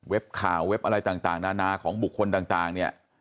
ข่าวเว็บอะไรต่างนานาของบุคคลต่างเนี่ย